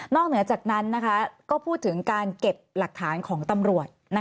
นอกเหนือจากนั้นนะคะก็พูดถึงการเก็บหลักฐานของตำรวจนะคะ